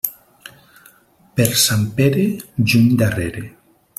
Per Sant Pere, juny darrere.